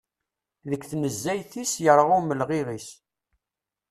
Deg tnezzayt-is, yerɣa umelɣiɣ-is.